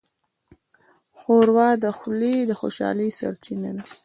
ښوروا د خولې د خوشحالۍ سرچینه ده.